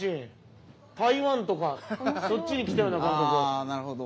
ああなるほど。